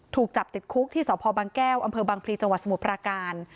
ถูกจับติดคุกที่สพแก้วอบังพลีจสมุทรพระกาล